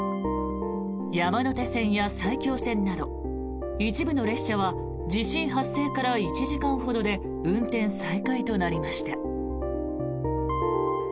山手線や埼京線など一部の列車は地震発生から１時間ほどで運転再開となりました。